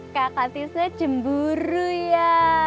kakak tisna jemburu ya